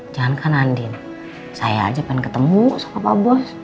jangankan andin saya aja pengen ketemu sama pak bos